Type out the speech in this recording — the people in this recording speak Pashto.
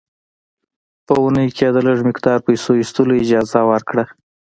په اونۍ کې یې د لږ مقدار پیسو ایستلو اجازه ورکړه.